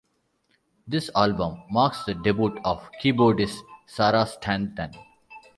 This album marks the debut of keyboardist Sarah Stanton.